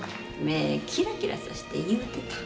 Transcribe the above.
目キラキラさして言うてた。